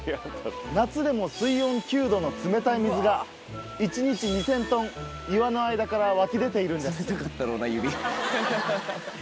夏でも水温９℃の冷たい水が一日２０００トン岩の間から湧き出ているんです。